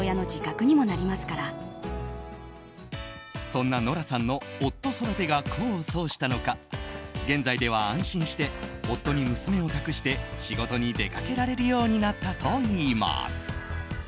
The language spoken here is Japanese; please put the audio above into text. そんなノラさんの夫育てが功を奏したのか現在では安心して夫に娘を託して仕事に出かけられるようになったといいます。